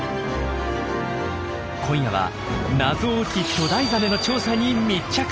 今夜は謎多き巨大ザメの調査に密着。